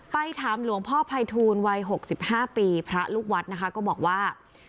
ไปถามหลวงพ่อภัยทูลวัย๖๕ปีพระลูกวัดนะคะก็บอกว่า